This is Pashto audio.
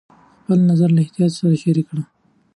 خپل نظر له احتیاطه شریک کړه.